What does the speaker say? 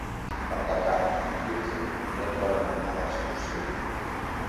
Per Cap d'Any en Quirze i na Vinyet volen anar d'excursió.